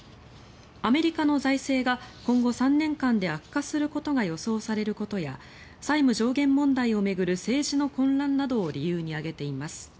アメリカの財政が今後３年間で悪化することが予想されることや債務上限問題を巡る政治の混乱などを理由に挙げています。